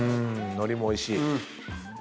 海苔もおいしい。